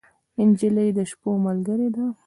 نجلۍ د شپو ملګرې ده.